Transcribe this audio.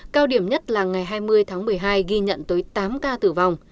cao điểm nhất là ngày hai mươi tháng một mươi hai ghi nhận tới tám ca tử vong